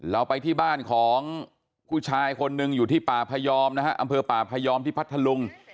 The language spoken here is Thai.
เราไปที่บ้านของผู้ชายคนหนึ่งอยู่ที่ป่าพยอมนะฮะอำเภอป่าพยอมที่พัทธลุง